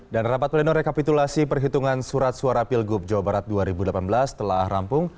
dan rapat pleno rekapitulasi perhitungan surat suara pilgub jawa barat dua ribu delapan belas telah rampung